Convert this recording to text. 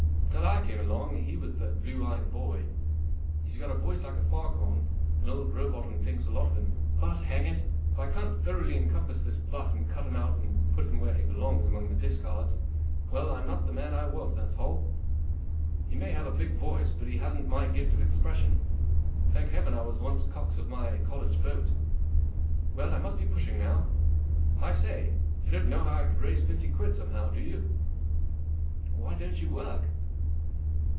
Till I came along he was the blue eyed boy. He's got a voice like a fog¬ horn, and old Rowbotham thinks a lot of him. But, hang it, if I can't thoroughly encompass this Butt and cut him out and put him where he belongs among the discards —well, I'm not the man I was, that's all. He may have a big voice, but he hasn't my gift of expression. Thank heaven I was once cox of my college boat. Well, I must be pushing now. I say, you don't know how I could raise fifty quid somehow, do you ?"" Why don't you work